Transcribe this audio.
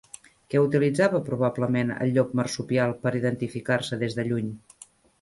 Què utilitzava probablement el llop marsupial per identificar-se des de lluny?